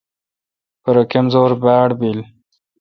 پرہ کمزور باڑ بل۔